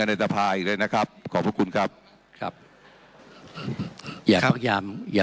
ผมก็อ้างขอบังคับเช่นเดียวกัน